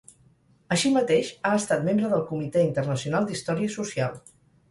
Així mateix, ha estat membre del Comitè Internacional d'Història Social.